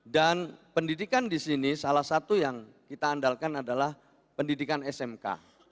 dan pendidikan disini salah satu yang kita andalkan adalah pendidikan smk